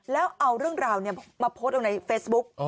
แล้วเอาเรื่องราวมาโพสต์เอาในเฟซบุ๊ก